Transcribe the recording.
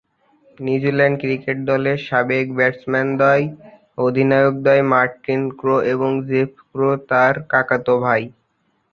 New Zealand cricket দলের সাবেক ব্যাটসম্যানদ্বয় ও অধিনায়কদ্বয় মার্টিন ক্রো এবং জেফ ক্রো তার কাকাতো ভাই।